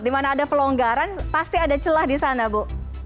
di mana ada pelonggaran pasti ada celah di sana bu